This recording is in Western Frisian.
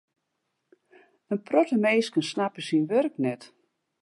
In protte minsken snappe syn wurk net.